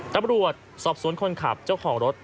ตำรวจสอบสวนคนขับเจ้าของรถ